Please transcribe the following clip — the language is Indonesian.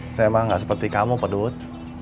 saya emang gak seperti kamu pak dut